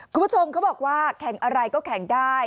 คุณผู้ชมเขาบอกว่าแข่งอะไรก็แข่งได้